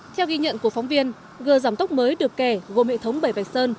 theo ghi nhận của phóng viên gờ giảm tốc mới được kẻ gồm hệ thống bảy vạch sơn